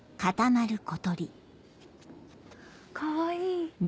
かわいい。